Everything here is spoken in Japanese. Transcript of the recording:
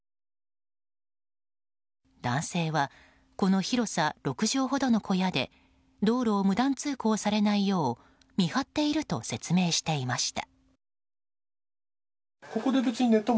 男性はこの広さ６畳ほどの小屋で道路を無断通行されないよう見張っていると説明していました。